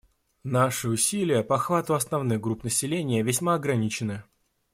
Наши усилия по охвату основных групп населения весьма ограничены.